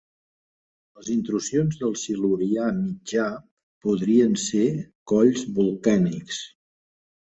Les intrusions del Silurià Mitjà podrien ser colls volcànics.